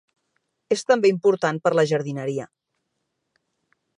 És també important per la jardineria.